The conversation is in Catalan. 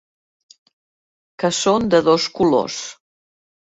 Que són de dos colors.